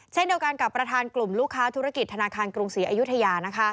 เช่นเดียวกันกับประธานกลุ่มลูกค้าธุรกิจธนาคารกรุงศรีอายุทยา